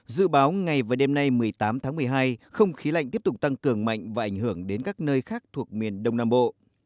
dự báo ngày và đêm nay một mươi tám tháng một mươi hai không khí lạnh tiếp tục tăng cường mạnh và ảnh hưởng đến các nơi khác thuộc miền đông nam bộ